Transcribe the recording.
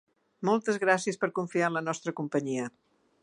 Moltes gràcies por confiar en la nostra companyia.